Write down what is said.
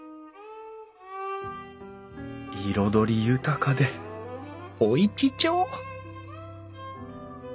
彩り豊かでおいちちょう！